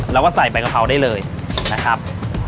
แล้วก็ใส่ใบกะเพราได้เลยนะครับ